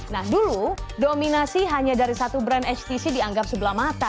nah dulu dominasi hanya dari satu brand htc dianggap sebelah mata